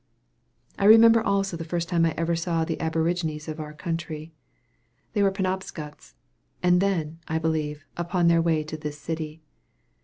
I remember also the first time I ever saw the aborigines of our country. They were Penobscots, and then, I believe, upon their way to this city.